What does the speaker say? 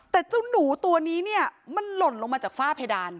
แต่เจ้าหนูตัวนี้เนี่ยมันหล่นลงมาจากฝ้าเพดาน